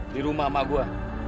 di rumah emak gue